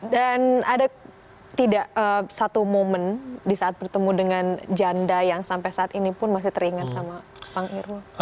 dan ada tidak satu momen di saat bertemu dengan janda yang sampai saat ini pun masih teringat sama bang irul